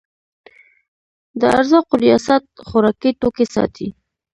د ارزاقو ریاست خوراکي توکي ساتي